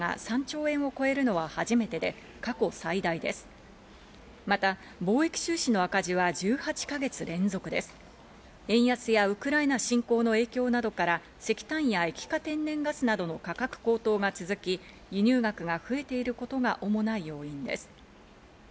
円安やウクライナ侵攻の影響などから石炭や液化天然ガスなどの価格高騰が続き、輸入額が増えていることが主な要因です。